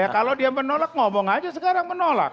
kalau dia menolak ngomong aja sekarang menolak